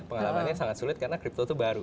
pengalamannya sangat sulit karena crypto itu baru